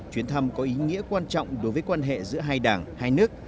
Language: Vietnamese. chuyến thăm có ý nghĩa quan trọng đối với quan hệ giữa hai đảng hai nước